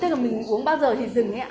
tức là mình uống bao giờ thì dừng ấy ạ